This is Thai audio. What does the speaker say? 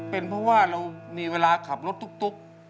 เป็นเพราะว่าเรามีเวลาขับรถตุ๊ก